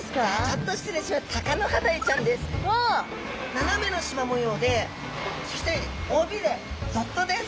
斜めのしま模様でそして尾鰭ドットです。